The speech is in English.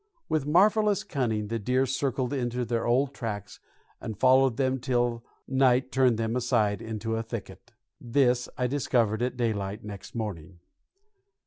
With marvelous cunning the deer circled into their old tracks and followed them till night turned them aside into a thicket. This I discovered at daylight next morning.